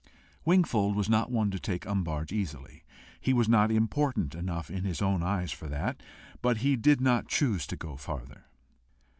Wingfold was not one to take umbrage easily. He was not important enough in his own eyes for that, but he did not choose to go farther.